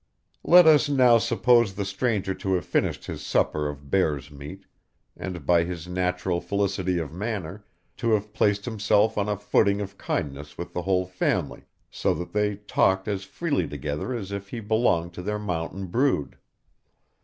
Let us now suppose the stranger to have finished his supper of bear's meat; and, by his natural felicity of manner, to have placed himself on a footing of kindness with the whole family, so that they talked as freely together as if he belonged to their mountain brood.